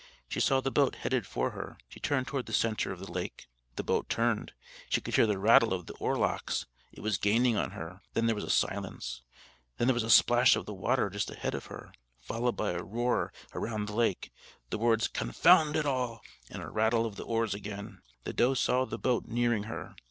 She saw the boat headed for her. She turned toward the centre of the lake. The boat turned. She could hear the rattle of the oar locks. It was gaining on her. Then there was a silence. Then there was a splash of the water just ahead of her, followed by a roar round the lake, the words "Confound it all!" and a rattle of the oars again. The doe saw the boat nearing her.